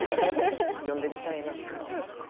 詠んでみたいな。